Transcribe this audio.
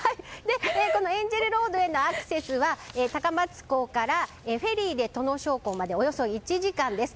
このエンジェルロードへのアクセスは高松港からフェリーで土庄港までおよそ１時間です。